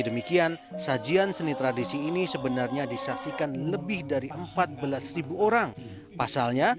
demikian sajian seni tradisi ini sebenarnya disaksikan lebih dari empat belas orang pasalnya